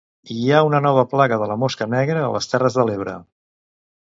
Hi ha una nova plaga de la mosca negra a les Terres de l'Ebre.